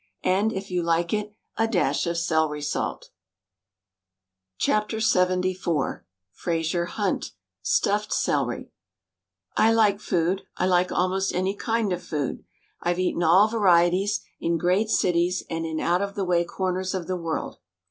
And, if you like it, a dash of celery salt WRITTEN FOR MEN BY MEN LXXIV Frazier Hunt STUFFED CELERY I like food. I like almost any kind of food. I've eaten all varieties — in great cities and in out of the way corners of the world.